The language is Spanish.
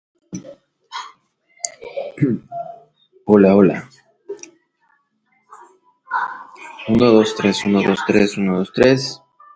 El tercer lugar fue para Rumania y la canción"Zaleilah".